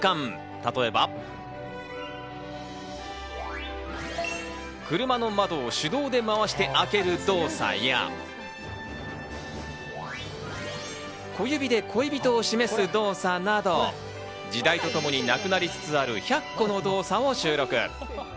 例えば、車の窓を手動で回して開ける動作や、小指で恋人を示す動作など、時代とともになくなりつつある１００個の動作を収録。